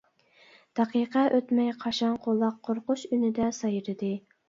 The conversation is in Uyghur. دەقىقە ئۆتمەي قاشاڭ قۇلاق قورقۇش ئۈنىدە سايرىدى.